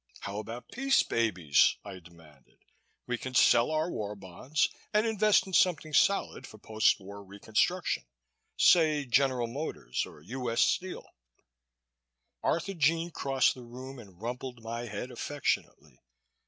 "How about peace babies?" I demanded. "We can sell our war bonds and invest in something solid for post war reconstruction. Say General Motors or U.S. Steel." Arthurjean crossed the room and rumpled my head affectionately.